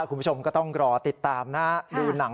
คุณผู้ชมก็ต้องรอติดตามนะดูหนัง